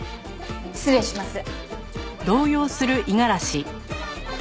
失礼します。